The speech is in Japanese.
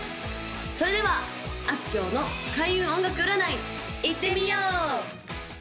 それではあすきょうの開運音楽占いいってみよう！